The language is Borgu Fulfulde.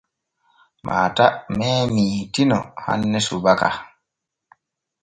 Maata meemii Tino hanne subaka.